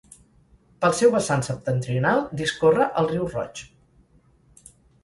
Pel seu vessant septentrional discorre el Riu Roig.